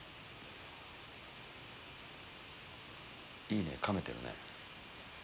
いいねかめてるね。